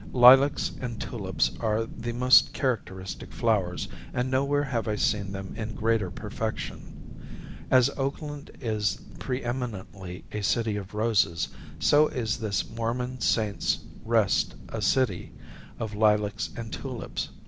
Lilacs and tulips are the most characteristic flowers, and nowhere have I seen them in greater perfection. As Oakland is pre eminently a city of roses, so is this Mormon Saints' Rest a city of lilacs and tulips.